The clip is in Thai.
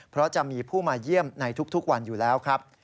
เพราะจะมีผู้มาเยี่ยมในทุกวันอยู่แล้วครับ